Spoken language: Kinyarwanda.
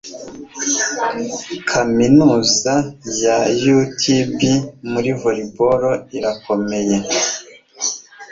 Kaminuza ya UTB muri volleyball irakomeye